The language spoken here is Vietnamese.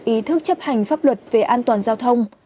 ý thức chấp hành pháp luật về an toàn giao thông